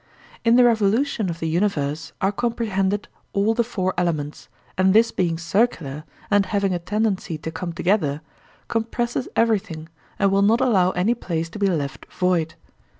In the revolution of the universe are comprehended all the four elements, and this being circular and having a tendency to come together, compresses everything and will not allow any place to be left void.